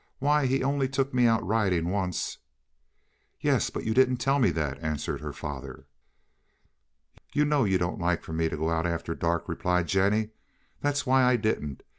"Why, he only took me out riding once." "Yes, but you didn't tell me that," answered her father. "You know you don't like for me to go out after dark," replied Jennie. "That's why I didn't.